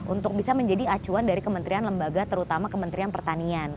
untuk bisa menjadi acuan dari kementerian lembaga terutama kementerian pertanian